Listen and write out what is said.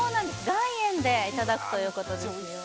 岩塩でいただくということですよ